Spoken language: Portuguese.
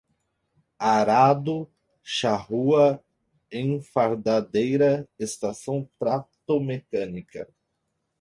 arado, charrua, enfardadeira, estação trator-máquina